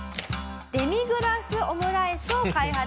デミグラスオムライスを開発する。